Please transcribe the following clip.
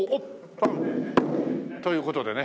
パン！という事でね。